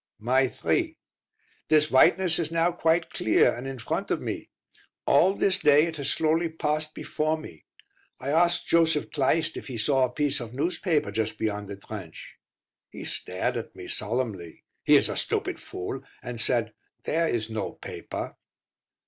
May 3. This whiteness is now quite clear, and in front of me. All this day it has slowly passed before me. I asked Joseph Kleist if he saw a piece of newspaper just beyond the trench. He stared at me solemnly he is a stupid fool and said, "There is no paper."